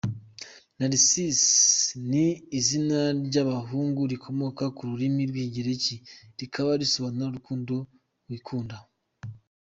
Narcisse ni izina ry’abahngu rikomoka ku rurimi rw’Ikigereki rikaba risobanura “Urukundo wikunda”.